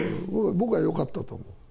僕はよかったと思う。